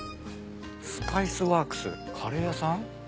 「スパイスワークス」カレー屋さん？